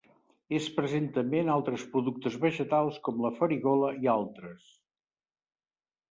És present també en altres productes vegetals com la farigola i altres.